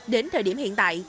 đến thời điểm hiện tại